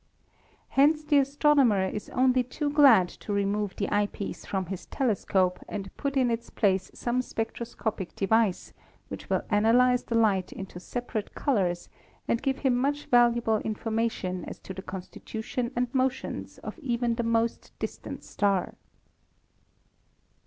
Hence the astronomer is only too glad to remove the eyepiece from his telescope and put in its place some spectroscopic device which will analyze the light into separate colors and give him much valuable information as to the constitution and motions of even the most distant star.